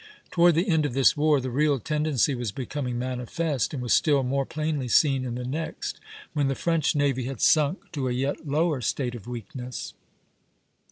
Toward the end of this war the real tendency was becoming manifest, and was still more plainly seen in the next, when the French navy had sunk to a yet lower state of weakness.